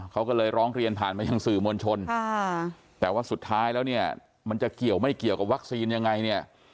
เขาก็เลยร้องเรียนผ่านมายังสื่อมวลชนแต่ว่าสุดท้ายแล้วเนี่ยมันจะเกี่ยวไม่เกี่ยวกับวัคซีนยังไงเนี่ย